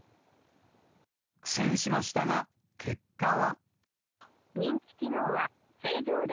苦戦しましたが、結果は。